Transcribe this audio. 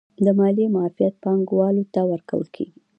د مالیې معافیت پانګوالو ته ورکول کیږي